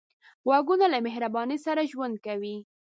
غوږونه له مهرباني سره ژوند کوي